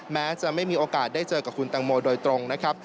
แม้จะไม่มีโอกาสได้เจอกับคุณตังโมโดยตรงนะครับ